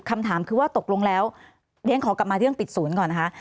คำถามคือว่าตกลงแล้วเรียนขอกลับมาเรื่องปิดศูนย์ก่อนนะคะ